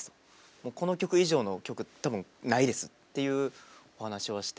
もうこの曲以上の曲多分ないです」っていうお話をして。